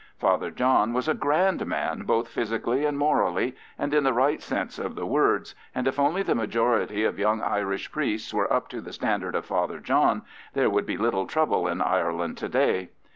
Father John was a grand man both physically and morally and in the right sense of the words, and if only the majority of young Irish priests were up to the standard of Father John there would be little trouble in Ireland to day.